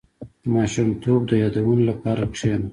• د ماشومتوب د یادونو لپاره کښېنه.